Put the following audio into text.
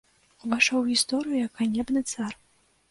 Увайшоў у гісторыю як ганебны цар.